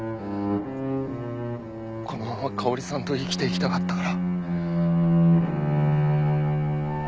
このまま香織さんと生きていきたかったから。